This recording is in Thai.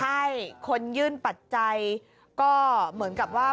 ใช่คนยื่นปัจจัยก็เหมือนกับว่า